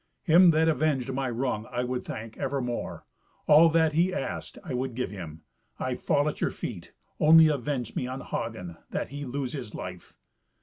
"Him that avenged my wrong I would thank evermore. All that he asked I would give him. I fall at your feet; only avenge me on Hagen, that he lose his life."